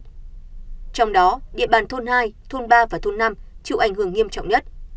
trong đó địa bàn thôn hai thôn ba và thôn năm chịu ảnh hưởng nghiêm trọng nhất